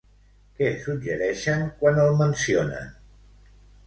Què suggereixen quan el mencionen?